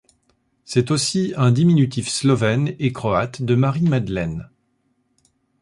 C'est aussi un diminutif slovène et croate de Marie-Madeleine.